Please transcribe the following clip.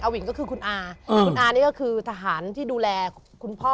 หญิงก็คือคุณอาคุณอานี่ก็คือทหารที่ดูแลคุณพ่อ